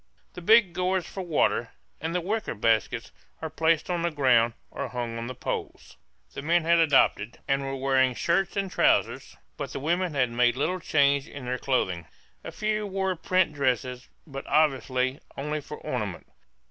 The big gourds for water, and the wicker baskets, are placed on the ground, or hung on the poles. The men had adopted, and were wearing, shirts and trousers, but the women had made little change in their clothing. A few wore print dresses, but obviously only for ornament.